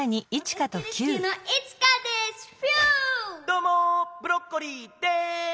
どうもブロッコリーです。